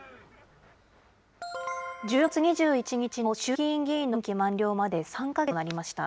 １０月２１日の衆議院議員の任期満了まで３か月となりました。